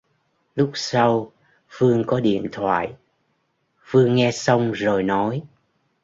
lúc sau phương có điện thoại Phương nghe xong rồi nói